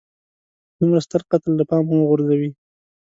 دومره ستر قتل له پامه وغورځوي.